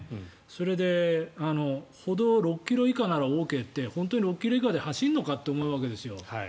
それで、歩道６ｋｍ以下ならＯＫって本当に６ｋｍ以下で走るのかって思うわけですよ。